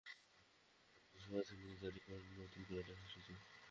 Clerk বাহিনীর হাতে অবশ্যই আছে নিজেদের রেকর্ড নতুন করে লেখার সুযোগ।